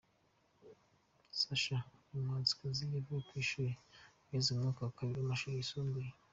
Sacha: uyu muhanzikazi yavuye mu ishuri ageze mu mwaka wa kabiri w’amashuri yisumbuye.